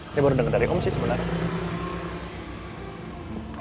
saya baru dengar dari om sih sebenarnya